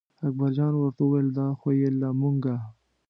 اکبرجان ورته وویل دا خو بې له مونږه.